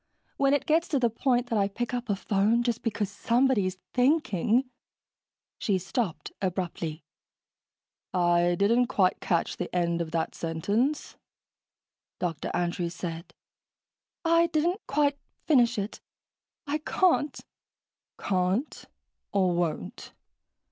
When it gets to the point that I pick up a phone just because somebody's thinking...." She stopped abruptly. "I didn't quite catch the end of that sentence," Dr. Andrews said. "I didn't quite finish it. I can't." "Can't? Or won't?